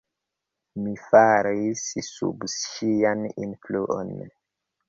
Mi falis sub ŝian influon.